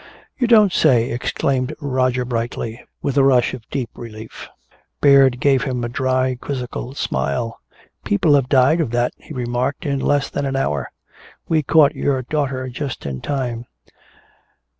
"You don't say!" exclaimed Roger brightly, with a rush of deep relief. Baird gave him a dry quizzical smile. "People have died of that," he remarked, "in less than an hour. We caught your daughter just in time.